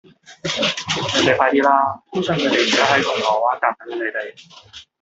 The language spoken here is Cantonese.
你哋快啲啦!姑丈佢哋而家喺銅鑼灣站等緊你哋